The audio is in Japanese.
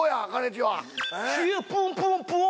ちはポンポンポン！